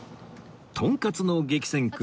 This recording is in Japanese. とんかつの激戦区